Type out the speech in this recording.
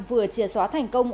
vừa triệt xóa thành công